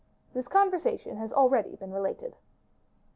This conversation has already been related.